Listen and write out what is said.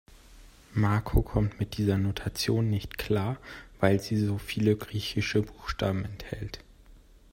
Marco kommt mit dieser Notation nicht klar, weil sie so viele griechische Buchstaben enthält.